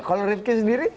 kalau rifqi sendiri